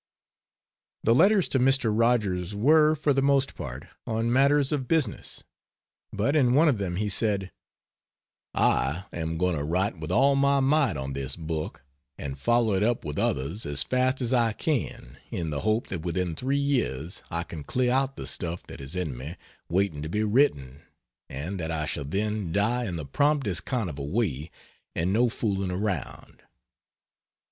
The letters to Mr. Rogers were, for the most part, on matters of business, but in one of them he said: "I am going to write with all my might on this book, and follow it up with others as fast as I can in the hope that within three years I can clear out the stuff that is in me waiting to be written, and that I shall then die in the promptest kind of a way and no fooling around."